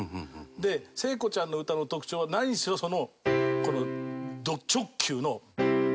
で聖子ちゃんの歌の特徴は何しろその。